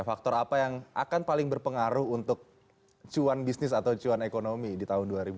faktor apa yang akan paling berpengaruh untuk cuan bisnis atau cuan ekonomi di tahun dua ribu dua puluh